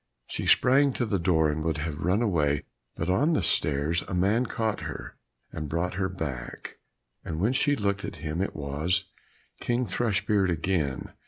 She sprang to the door and would have run away, but on the stairs a man caught her and brought her back; and when she looked at him it was King Thrushbeard again.